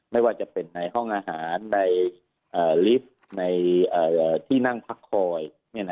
ไม่ว่าจะเป็นในห้องอาหารในลิฟต์ในที่นั่งพักคอย